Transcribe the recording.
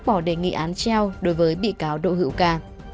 đã bỏ đề nghị án treo đối với bị cáo đỗ hiệu ca